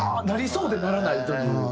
なりそうでならないという。